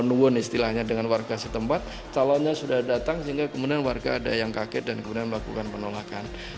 nuan istilahnya dengan warga setempat calonnya sudah datang sehingga kemudian warga ada yang kaget dan kemudian melakukan penolakan